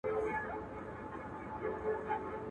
د عبدالباري جهاني منظومه ترجمه.